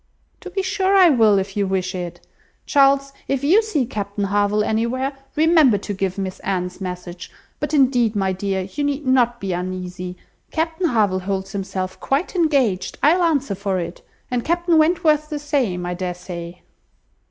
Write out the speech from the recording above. "To be sure I will, if you wish it. Charles, if you see Captain Harville anywhere, remember to give Miss Anne's message. But indeed, my dear, you need not be uneasy. Captain Harville holds himself quite engaged, I'll answer for it; and Captain Wentworth the same, I dare say."